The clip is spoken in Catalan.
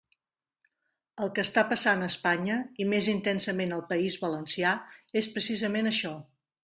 El que està passant a Espanya, i més intensament al País Valencià, és precisament això.